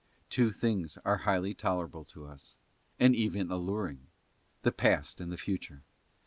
Two things are highly tolerable to us, and even alluring, the past and the future.